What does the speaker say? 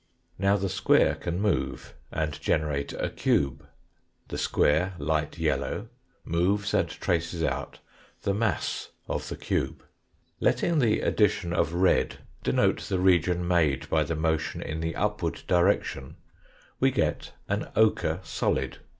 Now the square can move and generate a cube. The square light yellow moves and traces out the mass of the cube. Letting the addition of red denote the region made by the motion in the upward direction we get an ochre solid.